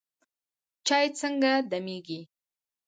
چای څنګه دمیږي؟